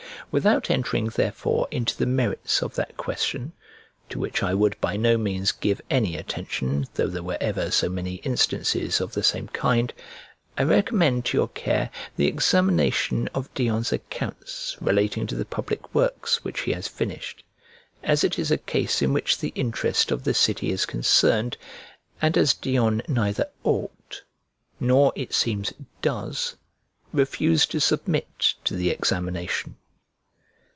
Without entering therefore into the merits of that question (to which I would by no means give any attention, though there were ever so many instances of the same kind), I recommend to your care the examination of Dion's accounts relating to the public works which he has finished; as it is a case in which the interest of the city is concerned, and as Dion neither ought nor, it seems, does refuse to submit to the examination.